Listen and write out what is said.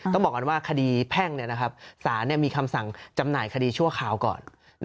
ต้องบอกก่อนว่าคดีแพ่งสารมีคำสั่งจำหน่ายคดีชั่วคราวก่อน